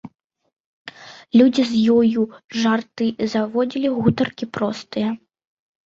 Людзі з ёю жарты заводзілі, гутаркі простыя.